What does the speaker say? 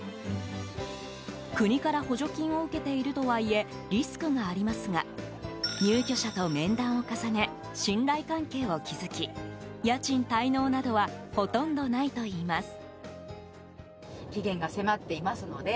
国から補助金を受けているとはいえリスクがありますが入居者と面談を重ね信頼関係を築き家賃滞納などはほとんどないといいます。